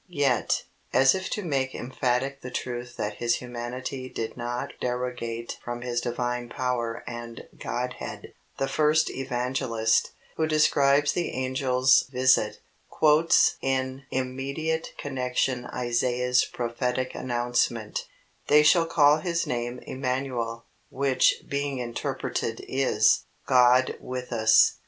Yet, as if to make emphatic the truth that His humanity did not derogate from His Divine power and Godhead, the first Evangelist, who describes the angel's visit, quotes in immediate connection Isaiah's prophetic announcement, "They shall call his name Emmanuel, which being interpreted is, GOD with us."